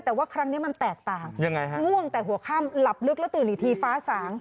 แต่ว่าครั้งนี้มันแตกต่างยังไงฮะง่วงแต่หัวข้ามหลับลึกแล้วตื่นอีกทีฟ้าสาง